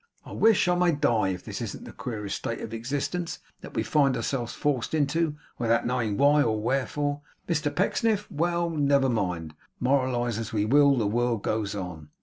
I wish I may die, if this isn't the queerest state of existence that we find ourselves forced into without knowing why or wherefore, Mr Pecksniff! Well, never mind! Moralise as we will, the world goes on.